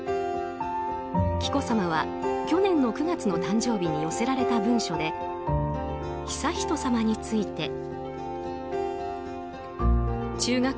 紀子さまは去年９月の誕生日に寄せられた文書で悠仁さまについて。